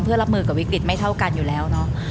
เพื่อรับมือกับวิกฤตไม่เท่ากันอยู่แล้วเนาะ